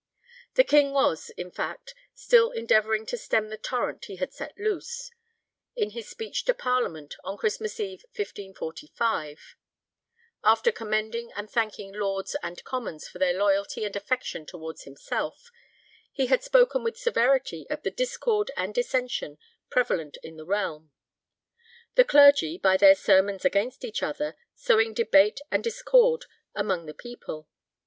The King was, in fact, still endeavouring to stem the torrent he had set loose. In his speech to Parliament on Christmas Eve, 1545, after commending and thanking Lords and Commons for their loyalty and affection towards himself, he had spoken with severity of the discord and dissension prevalent in the realm; the clergy, by their sermons against each other, sowing debate and discord amongst the people....